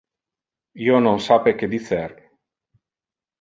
Io non sape que dicer.